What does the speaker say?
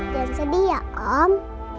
jangan sedih ya om